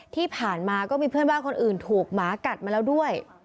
ที่ผ่านมาก็มีเพื่อนบ้านคนอื่นถูกหมากัดมาแล้วด้วย